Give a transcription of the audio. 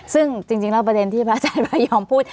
ซึ่งจริงแล้วประเด็นที่พระอาจารย์พยอมพูด